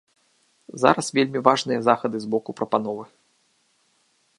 Зараз вельмі важныя захады з боку прапановы.